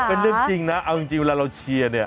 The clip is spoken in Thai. เป็นเรื่องจริงนะเอาจริงเวลาเราเชียร์เนี่ย